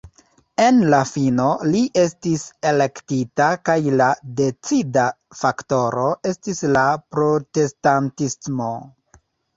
En la fino, li estis elektita kaj la decida faktoro estis la protestantismo.